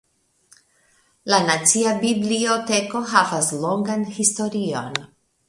La Nacia Biblioteko havas longan historion.